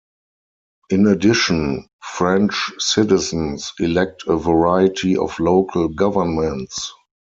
In addition, French citizens elect a variety of local governments.